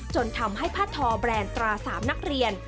จนทำให้ผ้าทอแบรนด์ตรา๓นักเรียน